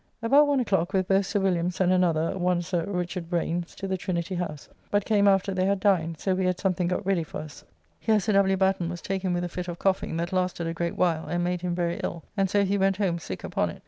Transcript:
About one o'clock with both Sir Williams and another, one Sir Rich. Branes, to the Trinity House, but came after they had dined, so we had something got ready for us. Here Sir W. Batten was taken with a fit of coughing that lasted a great while and made him very ill, and so he went home sick upon it.